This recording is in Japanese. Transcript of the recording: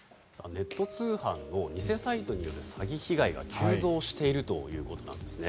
ネット通販の偽サイトによる詐欺被害が急増しているということなんですね。